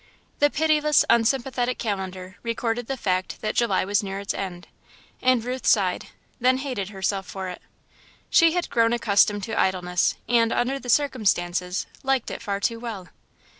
The pitiless, unsympathetic calendar recorded the fact that July was near its end, and Ruth sighed then hated herself for it. She had grown accustomed to idleness, and, under the circumstances, liked it far too well.